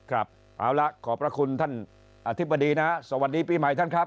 ครับเอาละขอบพระคุณท่านอธิบดีนะสวัสดีปีใหม่ท่านครับ